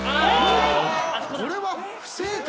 これは不正解！